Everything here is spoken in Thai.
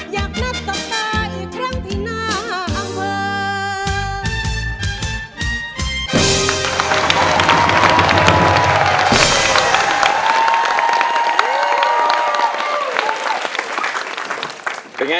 อยากนัดกับตาอีกครั้งที่หน้าอำเภอ